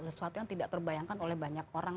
sesuatu yang tidak terbayangkan oleh banyak orang